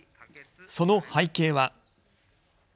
その背景は。